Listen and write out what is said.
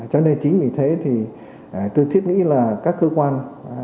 cho nên chính vì thế thì tôi thiết nghĩ là các cơ quan